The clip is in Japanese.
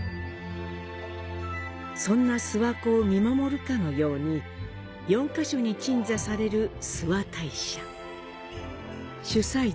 そんな諏訪湖を見守るかのように４ヶ所に鎮座される諏訪大社。